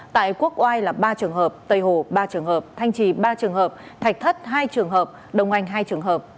tại quốc oai là ba trường hợp tây hồ ba trường hợp thanh trì ba trường hợp thạch thất hai trường hợp đông anh hai trường hợp